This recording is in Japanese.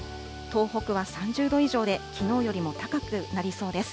東北は３０度以上で、きのうよりも高くなりそうです。